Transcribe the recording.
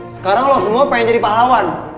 sekarang loh semua pengen jadi pahlawan